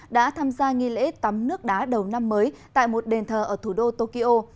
đã tham gia nghi lễ tắm nước đá đầu năm mới tại một đền thờ ở thủ đô tokyo